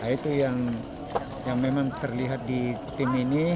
itu yang memang terlihat di tim ini